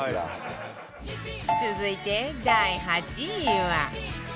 続いて第８位は